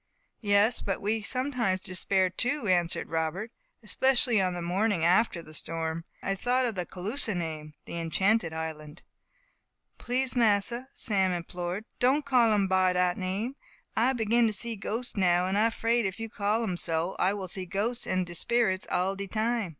"Yes, but we sometimes despaired, too," answered Robert, "especially on the morning after the storm. I have thought of the Caloosa name the Enchanted Island." "Please, Massa," Sam implored, "don't call um by dat name. I begin to see ghosts now; and I 'fraid, if you call um so, I will see ghosts and sperits all de time."